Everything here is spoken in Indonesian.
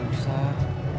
kamu gak usah